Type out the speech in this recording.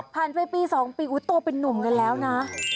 ไปปี๒ปีอุ๊ยโตเป็นนุ่มกันแล้วนะ